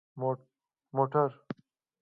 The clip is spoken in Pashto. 🚘 موټر